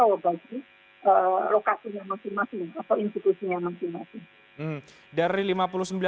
atau bagi lokasi yang masing masing atau institusi yang masing masing